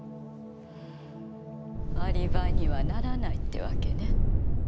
アリバイにはならないってわけね。